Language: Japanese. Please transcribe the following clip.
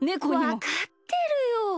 わかってるよ。